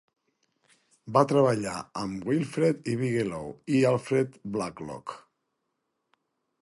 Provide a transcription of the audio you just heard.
Va treballar amb Wilfred Bigelow i Alfred Blalock.